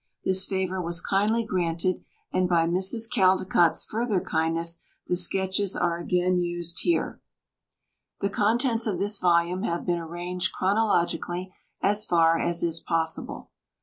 This favour was kindly granted, and by Mrs. Caldecott's further kindness the sketches are again used here. The contents of this volume have been arranged chronologically as far as is possible.